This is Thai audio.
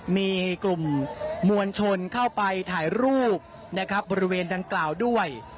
มีกลุ่มมวลชนเข้าไปถ่ายรูปนะครับบริเวณดังกล่าวด้วย